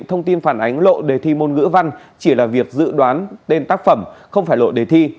thông tin phản ánh lộ đề thi môn ngữ văn chỉ là việc dự đoán tên tác phẩm không phải lộ đề thi